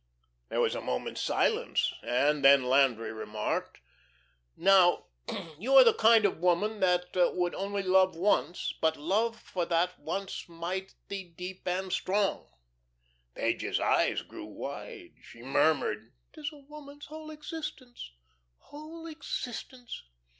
There was a moment's silence, and then Landry remarked: "Now you are the kind of woman that would only love once, but love for that once mighty deep and strong." Page's eyes grew wide. She murmured: "'Tis a woman's whole existence whole existence.'